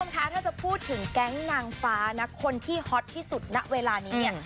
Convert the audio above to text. คะถ้าจะพูดถึงแก๊งนางฟ้านะคนที่ฮอตที่สุดณเวลานี้เนี่ย